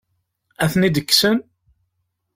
Ad ten-id-kksen?